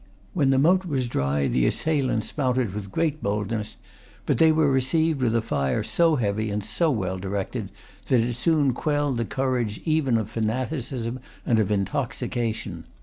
When the moat was dry the assailants mounted with great boldness; but they were received with a fire so heavy and so well directed, that it soon quelled the courage even of fanaticism and of intoxication.